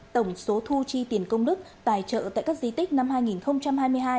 tổng số thu chi tiền công đức tài trợ tại các di tích năm hai nghìn hai mươi hai